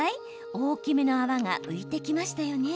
大きめの泡が浮いてきましたよね。